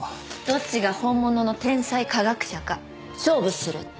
どっちが本物の天才科学者か勝負するって。